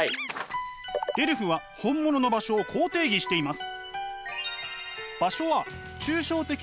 レルフは本物の場所をこう定義しています。